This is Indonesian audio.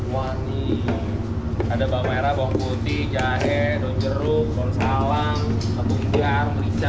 wah ini ada bawang merah bawang putih jahe donjeruk kol salam kebun kiar merica dan lain lain